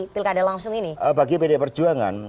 pilih kada langsung ini bagi pd perjuangan